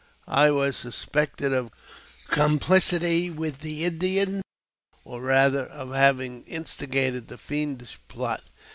I was suspected of complicity with the Indians, or, rather, of having instigated the fiendish plot.